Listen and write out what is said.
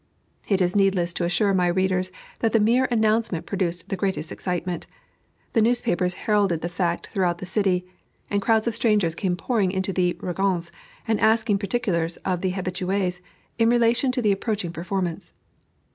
It is needless to assure my readers that the mere announcement produced the greatest excitement; the newspapers heralded the fact throughout the city, and crowds of strangers came pouring into the Régence, and asking particulars of the habitués in relation to the approaching performance.